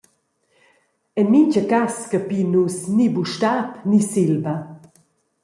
En mintga cass capin nus ni bustab ni silba.